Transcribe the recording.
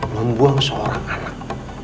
membuang seorang anak